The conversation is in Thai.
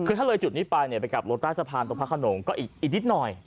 คือถ้าละจุดนี้ไปไปกลับรถใต้สะพานตรงภาคโครงก็อีกนิดหน่อย